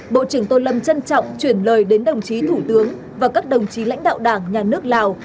bộ trưởng tô lâm trân trọng chuyển lời đến đồng chí thủ tướng và các đồng chí lãnh đạo đảng nhà nước lào